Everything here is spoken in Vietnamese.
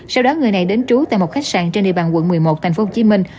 sau đó người này đến trú tại một khách sạn trên địa bàn quận một mươi một thành phố hồ chí minh